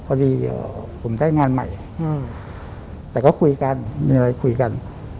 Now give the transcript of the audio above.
พอดีผมได้งานใหม่แต่ก็คุยกันมีอะไรคุยกัน